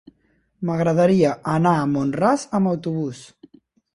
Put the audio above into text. M'agradaria anar a Mont-ras amb autobús.